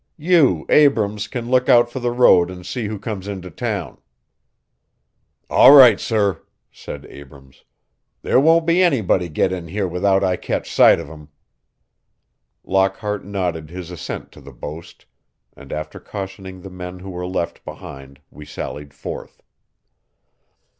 You, Abrams, can look out for the road and see who comes into town." "All right, sir," said Abrams. "There won't anybody get in here without I catch sight of him." Lockhart nodded his assent to the boast, and after cautioning the men who were left behind we sallied forth.